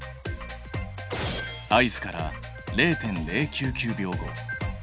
合図から０．０９９秒後。